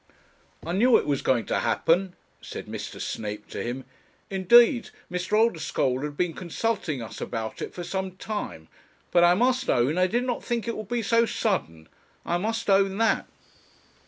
'I knew it was going to happen,' said Mr. Snape to him. 'Indeed, Mr. Oldeschole has been consulting us about it for some time; but I must own I did not think it would be so sudden; I must own that.'